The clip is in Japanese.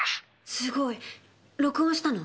すごい録音したの？